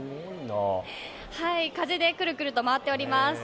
風でくるくると回っております。